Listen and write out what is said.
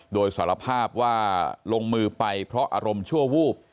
โดยสารภาพว่าลงมือไปเพราะอารมณ์ชั่ววูบ